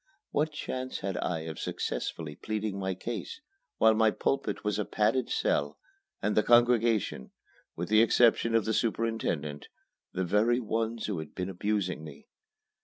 What chance had I of successfully pleading my case, while my pulpit was a padded cell, and the congregation with the exception of the superintendent the very ones who had been abusing me?